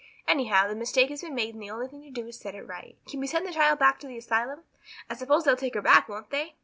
Anyhow, the mistake has been made and the only thing to do is to set it right. Can we send the child back to the asylum? I suppose they'll take her back, won't they?"